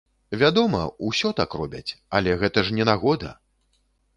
Вядома, усё так робяць, але гэта ж не нагода!